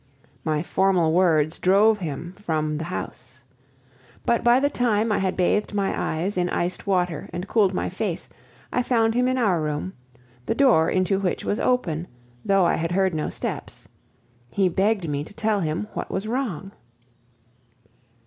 My formal words drove him from the house. But by the time I had bathed my eyes in iced water and cooled my face, I found him in our room, the door into which was open, though I had heard no steps. He begged me to tell him what was wrong.